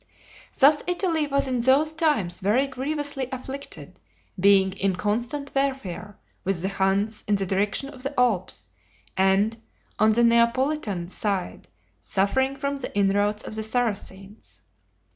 Thus Italy was in those times very grievously afflicted, being in constant warfare with the Huns in the direction of the Alps, and, on the Neapolitan side, suffering from the inroads of the Saracens.